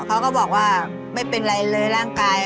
เขาก็บอกว่าไม่เป็นไรเลยร่างกาย